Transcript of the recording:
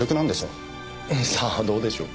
さあどうでしょう。